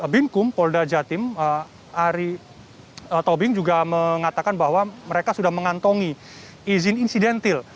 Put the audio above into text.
binkum polda jawa timur ari tobing juga mengatakan bahwa mereka sudah mengantongi izin insidentil